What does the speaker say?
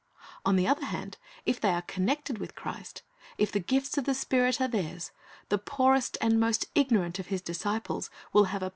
On the other hand, if they are connected with Christ, if the gifts of the Spirit are theirs, the poorest and most ignorant of His disciples will have a power that will tell upon hearts.